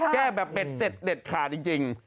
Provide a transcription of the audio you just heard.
แก้แบบเบ็ดเสร็จเด็ดขาดจริง